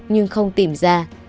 nhưng không tìm ra